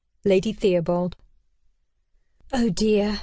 LADY THEOBALD. "Oh, dear!"